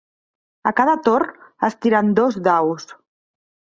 A cada torn es tiren dos daus.